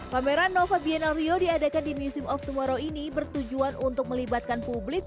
pameran nova bianal rio diadakan di museum of tomorrow ini bertujuan untuk melibatkan publik